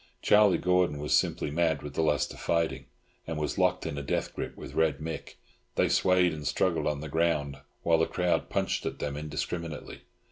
Charlie Gordon was simply mad with the lust of fighting, and was locked in a death grip with Red Mick; they swayed and struggled on the ground, while the crowd punched at them indiscriminately.